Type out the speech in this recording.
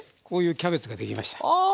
こういうキャベツができました。